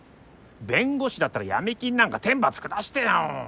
弁護士だったら闇金なんか天罰下してよ。